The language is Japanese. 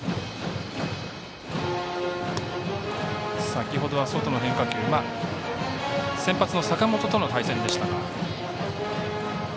先程は外の変化球先発の坂本との対戦でした。